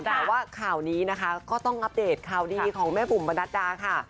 แต่ว่าข่าวนี้นะคะก็ต้องอัปเดตข่าวดีของแม่บุ๋มประนัดดาค่ะ